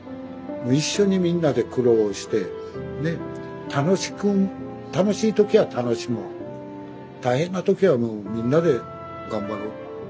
一緒にみんなで苦労してね楽しく楽しい時は楽しもう大変な時はもうみんなで頑張ろう。